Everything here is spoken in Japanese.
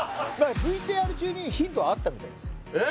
ＶＴＲ中にヒントはあったみたいです